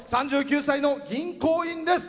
３９歳の銀行員です。